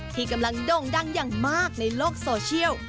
ที่กำลังโด่งดังอย่างมากในโลกโซเชียล